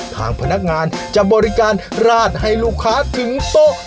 ทางพนักงานจะบริการราดให้ลูกค้าถึงโต๊ะ